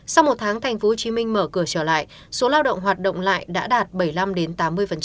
sau một tháng tp hcm mở cửa trở lại số lao động hoạt động lại đã đạt bảy mươi năm tám mươi